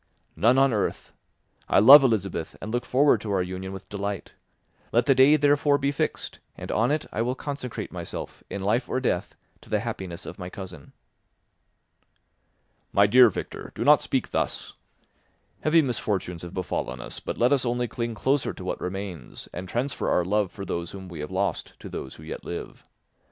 "None on earth. I love Elizabeth and look forward to our union with delight. Let the day therefore be fixed; and on it I will consecrate myself, in life or death, to the happiness of my cousin." "My dear Victor, do not speak thus. Heavy misfortunes have befallen us, but let us only cling closer to what remains and transfer our love for those whom we have lost to those who yet live.